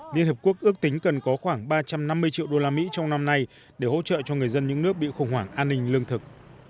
liên hợp quốc ước tính cần có khoảng ba trăm năm mươi triệu đô la mỹ trong năm nay để hỗ trợ cho người dân những nước bị khủng hoảng an ninh lương thực